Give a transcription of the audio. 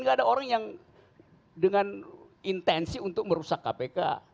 nggak ada orang yang dengan intensi untuk merusak kpk